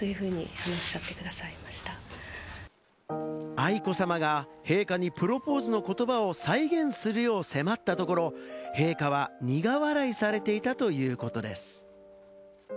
愛子さまが陛下にプロポーズの言葉を再現するよう迫ったところ、陛下は苦笑いされていたということです。